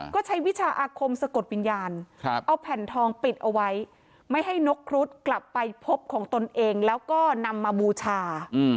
ก็ใช้วิชาอาคมสะกดวิญญาณเอาแผ่นทองปิดเอาไว้ไม่ให้นกครุฑกลับไปพบของตนเองแล้วก็นำมาบูชา